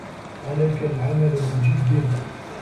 عليك العمل بجدّ.